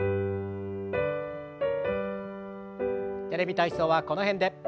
「テレビ体操」はこの辺で。